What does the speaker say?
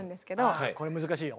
あこれ難しいよ。